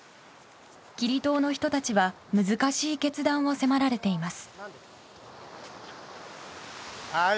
キリ島の人たちは難しい決断を迫られています。